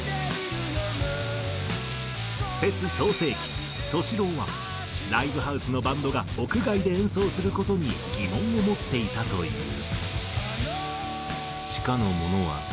フェス創成期ＴＯＳＨＩ−ＬＯＷはライブハウスのバンドが屋外で演奏する事に疑問を持っていたという。